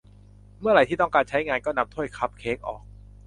เมื่อไรที่ต้องการใช้งานก็นำถ้วยคัพเค้กออก